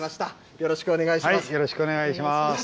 よろしくお願いします。